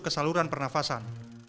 ke saluran pernafasan